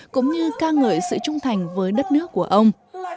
cũng như ca ngợi sự trung thành với đất nước của ông